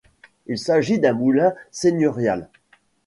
Il s'agit d'un moulin seigneurial.